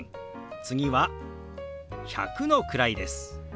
次は１００の位です。